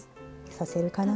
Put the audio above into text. させるかな？